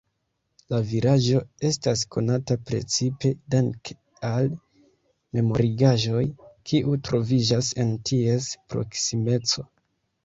La vilaĝo estas konata precipe danke al memorigaĵoj, kiuj troviĝas en ties proksimeco.